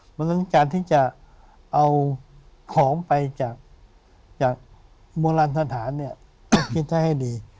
เหมือนกันการที่จะเอาของไปจากมลันธฐานให้ดี